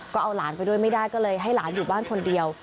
ก็เอาหลานไปด้วยไม่ได้ก็เลยให้หลานอยู่บ้านคนเดียว